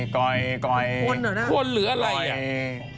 โค้นเหรอน่ะ